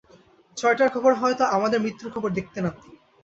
ছয়টার খবরে হয়ত, আমাদের মৃত্যুর খবর দেখতেন আপনি।